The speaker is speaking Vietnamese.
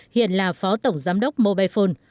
hiện là phó tổng giám đốc mobifone